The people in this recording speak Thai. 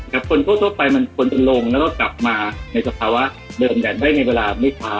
คนทั่วไปมันควรจะลงแล้วก็กลับมาในสภาวะเดิมกันได้ในเวลาไม่ช้า